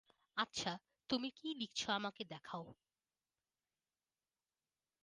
আচ্ছা, তুমি কী লিখছ আমাকে দেখাও।